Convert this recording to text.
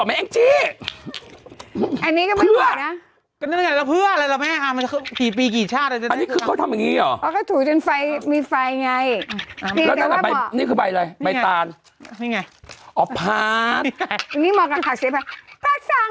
ดรจิลสูตรใหม่ดูกระจ่างใสกว่าเดิมหัวเดียวตอบโจทย์ปัญหาผิว